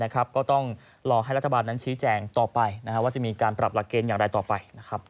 ก็ต้องรอให้รัฐบาลนั้นชี้แจงต่อไปว่าจะมีการปรับหลักเกณฑ์อย่างไรต่อไป